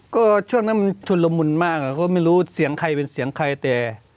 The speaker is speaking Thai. ก็ช่วงนั้นมันชุนละมุนมากเราก็ไม่รู้เสียงใครเป็นเสียงใครแต่